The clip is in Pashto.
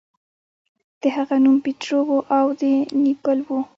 د هغه نوم پیټرو و او د نیپل و.